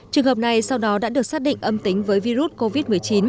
trường hợp này sau đó đã được xác định âm tính với virus covid một mươi chín